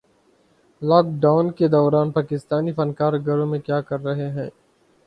lock Dawn کے دوران پاکستانی فنکار گھروں میں کیا کررہے ہیں